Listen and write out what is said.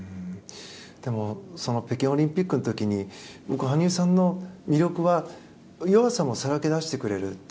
でもその北京オリンピックの時に僕、羽生さんの魅力は弱さもさらけ出してくれる。